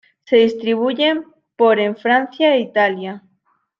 Se distribuyen por en Francia e Italia.